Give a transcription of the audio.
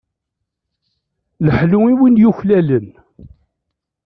Leḥlu i win t-yuklalen.